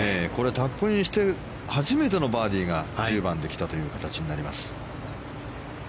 タップインして初めてのバーディーが１０番で来たという形になります。